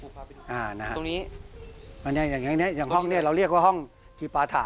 ตรงนี้นะครับอย่างนี้อย่างนี้อย่างห้องนี้เราเรียกว่าห้องกีปาถา